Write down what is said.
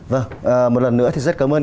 vâng một lần nữa thì rất cảm ơn